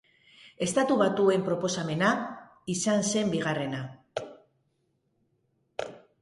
Estatu Batuen proposamena izan zen bigarrena.